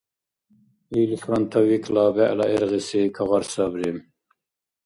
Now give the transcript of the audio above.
Ил фронтовикла бегӀла гӀергъиси кагъар сабри.